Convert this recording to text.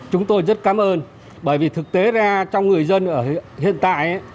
chúng tôi rất cảm ơn bởi vì thực tế ra trong người dân hiện tại